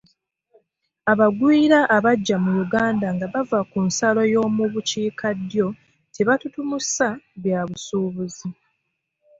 Abagwira abajja mu Uganda nga bava ku nsalo y'omu bukiikaddyo tebatutumusa bya busuubuzi.